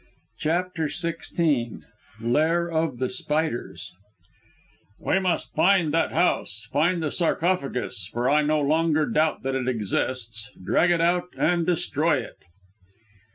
CHAPTER XVI LAIR OF THE SPIDERS "We must find that house, find the sarcophagus for I no longer doubt that it exists drag it out, and destroy it."